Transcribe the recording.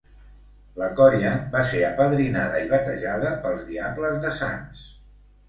La colla va ser apadrinada i batejada pels Diables de Sants.